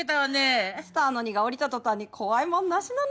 スターの荷が下りた途端に怖いものなしなのね。